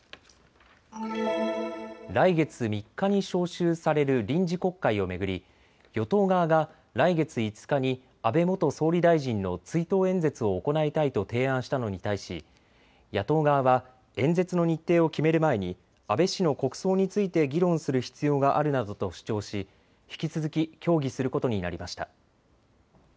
来月３日に召集される臨時国会を巡り与党側が来月５日に安倍元総理大臣の追悼演説を行いたいと提案したのに対し、野党側は演説の日程を決める前に安倍氏の国葬について議論する必要があるなどと主張し引き続き協議することになりました。